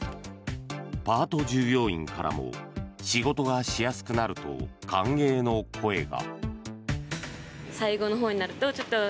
パート従業員からも仕事がしやすくなると歓迎の声が。